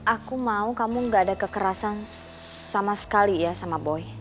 aku mau kamu gak ada kekerasan sama sekali ya sama boy